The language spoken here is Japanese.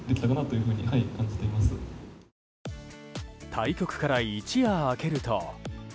対局から一夜明けると。